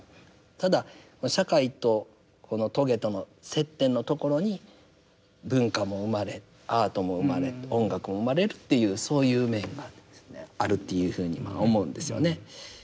ただ社会とこの棘との接点のところに文化も生まれアートも生まれ音楽も生まれるっていうそういう面があるというふうに思うんですよね。